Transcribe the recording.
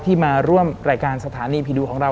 มาร่วมรายการสถานีผีดุของเรา